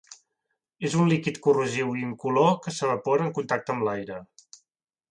És un líquid corrosiu i incolor que s'evapora en contacte amb l'aire.